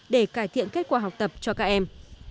để cải thiện kết quả học tập cho các em